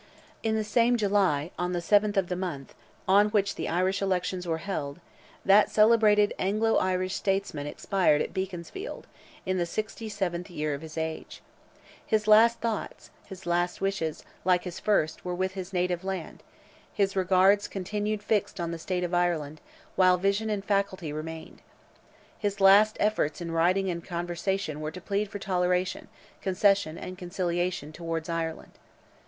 In the same July, on the 7th of the month, on which the Irish elections were held, that celebrated Anglo Irish statesman expired at Beaconsfield, in the sixty seventh year of his age. His last thoughts—his last wishes, like his first—were with his native land. His regards continued fixed on the state of Ireland, while vision and faculty remained. His last efforts in writing and conversation were to plead for toleration, concession and conciliation towards Ireland.